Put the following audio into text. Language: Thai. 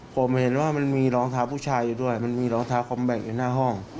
ผมเห็นว่ามันมีรองเท้าผู้ชายอยู่ด้วยมันมีรองเท้าคอมแบ่งอยู่หน้าห้อง